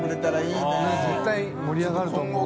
上地）絶対盛り上がると思う。